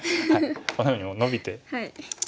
こんなふうにノビて。